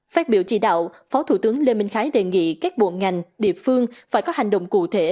phát biểu chỉ đạo phó thủ tướng lê minh khái đề nghị các bộ ngành địa phương phải có hành động cụ thể